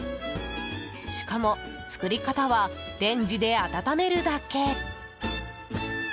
しかも、作り方はレンジで温めるだけ。